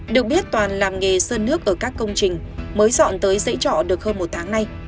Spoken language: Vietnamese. được biết toàn làm nghề sơn nước ở các công trình mới dọn tới dãy trọ được hơn một tháng nay